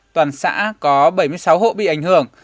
toàn xã có bảy mươi sáu hộ bị ảnh hưởng